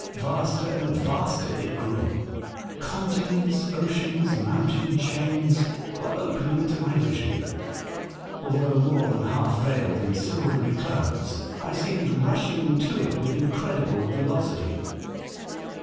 Vaster and vaster it grew. Continents, oceans, mountain chains were opening to my vision, although more than half veiled in silvery clouds. I seemed rushing to it with incredible velocity.